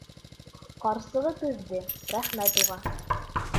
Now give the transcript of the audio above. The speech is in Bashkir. Ҡарсығы түҙҙе, рәхмәт уға.